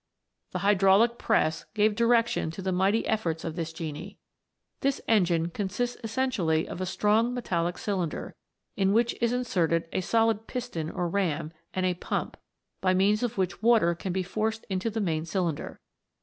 The hydraulic press gave direction to the mighty efforts of this genie. This engine consists essentially of a strong metallic cylinder, in which is inserted a solid piston or ram, and a pump, by means of which water can be forced into the main cylinder.